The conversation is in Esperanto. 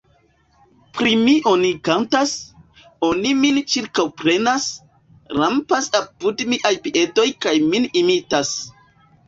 Pri mi oni kantas, oni min ĉirkaŭprenas, rampas apud miaj piedoj kaj min imitas.